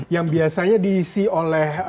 yang biasanya diisi oleh